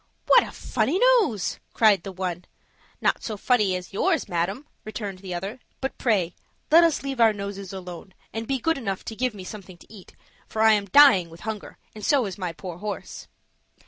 "What a funny nose!" cried the one. "Not so funny as yours, madam," returned the other. "But pray let us leave our noses alone, and be good enough to give me something to eat, for I am dying with hunger, and so is my poor horse."